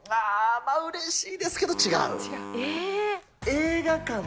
ああ、うれしいですけど違う。